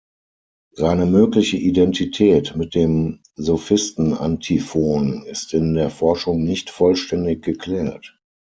Seine mögliche Identität mit dem Sophisten Antiphon ist in der Forschung nicht vollständig geklärt.